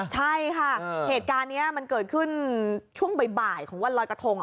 ใช่ค่ะเหตุการณ์นี้มันเกิดขึ้นช่วงบ่ายของวันลอยกระทง